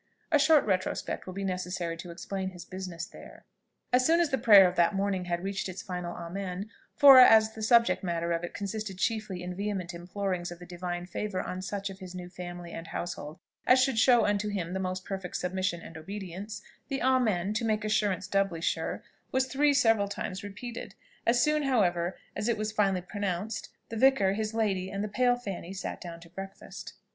A short retrospect will be necessary to explain his business there. As soon as the prayer of that morning had reached its final Amen for as the subject matter of it consisted chiefly in vehement implorings of the divine favour on such of his new family and household as should show unto him the most perfect submission and obedience, the Amen, to make assurance doubly sure, was three several times repeated; as soon, however, as it was finally pronounced, the vicar, his lady, and the pale Fanny, sat down to breakfast.